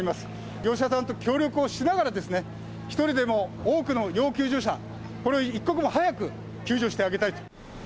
業者さんと協力をしながらですね、一人でも多くの要救助者、これを一刻も早く救助してあげたいと。